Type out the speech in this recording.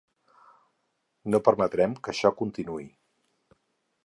No permetrem que això continuï.